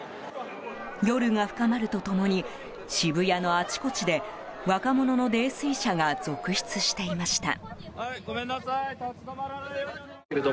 夜が深まると共に渋谷のあちこちで若者の泥酔者が続出していました。